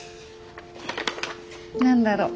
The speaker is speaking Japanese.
何だろう？